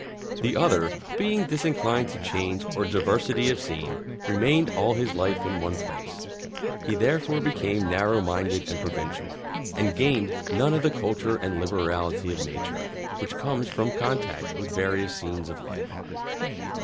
The Other, being Disinclined to Change or Diversity of Scene, remained all his Life in One Place. He therefore Became Narrow Minded and Provincial, and gained None of the Culture and Liberality of Nature which comes from Contact with various Scenes of Life.